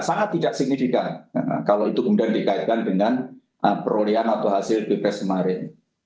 sangat tidak signifikan kalau itu kemudian dikaitkan dengan perolehan atau hasil pilpres kemarin